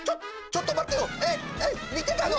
ちょっとまってよ！